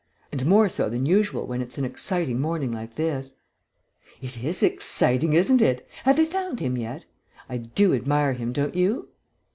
And more so than usual when it's an exciting morning like this." "It is exciting, isn't it. Have they found him yet? I do admire him, don't you?"